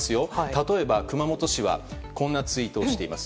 例えば、熊本市はこんなツイートをしています。